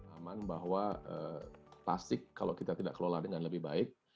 aman bahwa plastik kalau kita tidak kelola dengan lebih baik